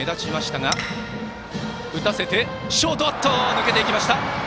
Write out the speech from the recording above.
抜けていきました！